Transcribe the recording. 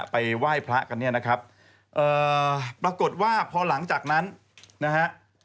ไปไหว้พระกันเนี่ยนะครับเอ่อปรากฏว่าพอหลังจากนั้นนะฮะ